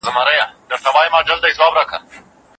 موږ باید خپلو بچیانو ته د کتاب مینه ورکړو.